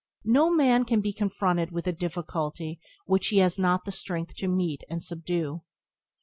No man can be confronted with a difficulty which he has not the strength to meet and subdue.